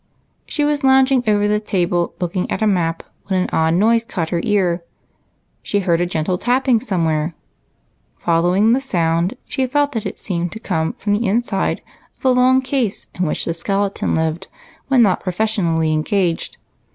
She was lounging over the table looking at a map when an odd noise caught her ear. A gentle tapping some where, and following the sound it seemed to come from the inside of the long case in which the skeleton lived when not professionally engaged.